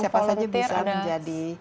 siapa saja bisa menjadi